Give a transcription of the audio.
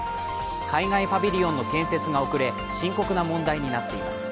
海外パビリオンの建設が遅れ、深刻な問題になっています。